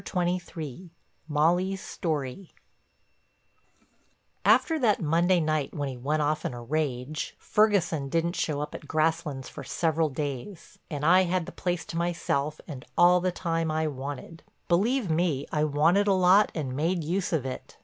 CHAPTER XXIII—MOLLY'S STORY After that Monday night when he went off in a rage, Ferguson didn't show up at Grasslands for several days and I had the place to myself and all the time I wanted. Believe me, I wanted a lot and made use of it.